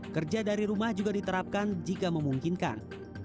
kerja dari rumah juga diterapkan jika memungkinkan